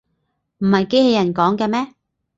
唔係機器人講嘅咩